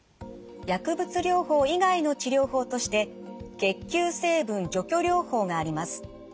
薬物療法以外の治療法として血球成分除去療法があります。